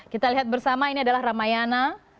kita lihat bersama ini adalah ramayana